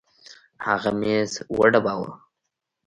هغه ميز وډباوه.